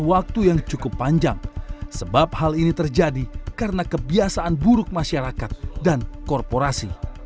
waktu yang cukup panjang sebab hal ini terjadi karena kebiasaan buruk masyarakat dan korporasi